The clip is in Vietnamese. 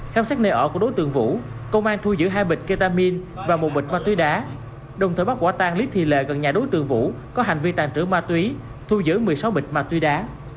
khám xét nơi ở của đối tượng vũ công an thu giữ hai bịch ketamine và một bịch ma túy đá đồng thời bắt quả tang lý thị lệ gần nhà đối tượng vũ có hành vi tàn trữ ma túy thu giữ một mươi sáu bịch ma túy đá